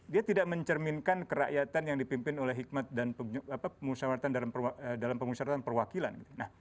dia tidak mencerminkan kerakyatan yang dipimpin oleh hikmat dan pemusyawaratan dalam pemusatan perwakilan